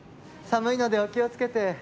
寒いのでお気を付けて。